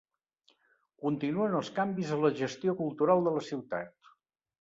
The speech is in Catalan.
Continuen els canvis en la gestió cultural de la ciutat.